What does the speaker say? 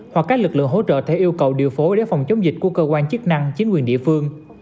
hoặc các lực lượng hỗ trợ theo yêu cầu điều phối để phòng chống dịch của cơ quan chức năng chính quyền địa phương